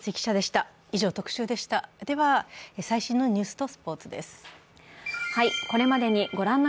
では、最新のニュースとスポーツです。